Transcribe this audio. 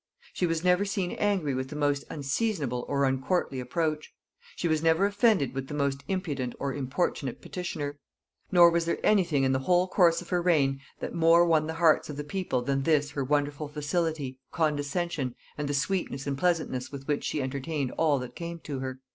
She was never seen angry with the most unseasonable or uncourtly approach; she was never offended with the most impudent or importunate petitioner. Nor was there any thing in the whole course of her reign that more won the hearts of the people than this her wonderful facility, condescension, and the sweetness and pleasantness with which she entertained all that came to her."